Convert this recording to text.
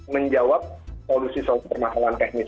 menjawab solusi permakaman teknis